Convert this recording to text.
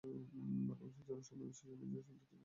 ভালোবাসার জন্য স্বপ্ন বিসর্জনের যে চিন্তা তুই করছিস না?